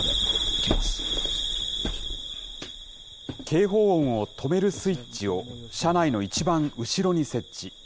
警報音を止めるスイッチを車内の一番後ろに設置。